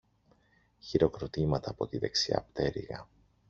Χειροκροτήματα από τη δεξιά πτέρυγα